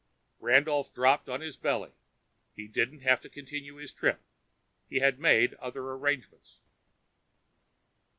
Randolph dropped flat on his belly. He didn't have to continue his trip. He had made other arrangements.